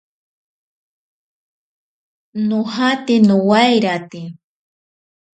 Nojate nowairate.